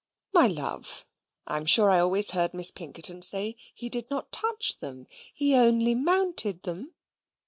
"My love! I'm sure I always heard Miss Pinkerton say that he did not touch them he only mounted them."